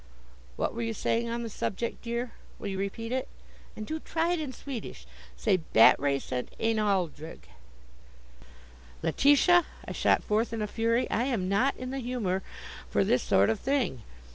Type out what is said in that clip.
What were you saying on the subject, dear? Will you repeat it? And do try it in Swedish. Say 'Battre sent än aldrig.'" "Letitia," I shot forth in a fury, "I'm not in the humor for this sort of thing.